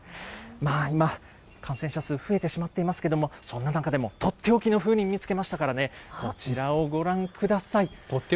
まあ今、感染者数、増えてしまっていますけれども、そんな中でも、取って置きの風鈴見つけましたからね、こちらをご覧ください。